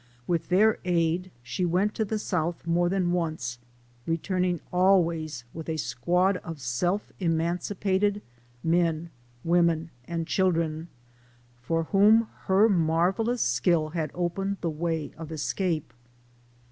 With their aid she went to the South more than once, returning always with a squad of self 1 emancipated men, women, and children, for whom her marvelous skill had opened the way of escape.